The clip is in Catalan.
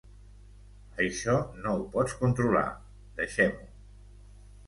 Això no ho pots controlar… deixem-ho.